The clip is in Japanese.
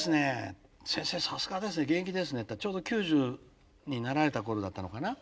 さすがですね現役ですね」って言ったらちょうど９０になられた頃だったのかな？